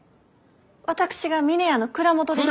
私が峰屋の蔵元ですき。